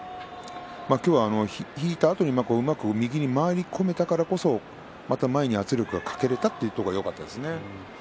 今日は引いたあとにうまく右に回り込めたからこそまた前に圧力をかけられたということがよかったですね。